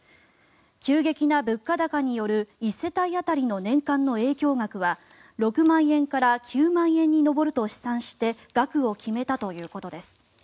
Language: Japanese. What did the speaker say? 急激な物価高による１世帯当たりの年間の影響額は６万円から９万円に上ると試算して額を決めたということです。